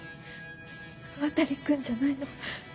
渡くんじゃないの。